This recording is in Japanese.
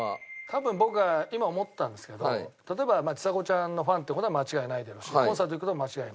多分僕は今思ったんですけど例えばちさ子ちゃんのファンって事は間違いないだろうしコンサート行くのも間違いない。